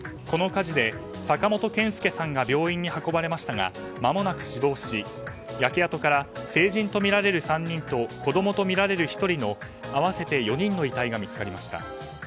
この火事で、坂本憲介さんが病院に運ばれましたがまもなく死亡し焼け跡から成人とみられる３人と子供とみられる１人の合わせて４人の遺体が見つかりました。